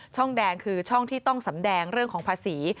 แดงคือช่องที่ต้องสำแดงเรื่องของภาษี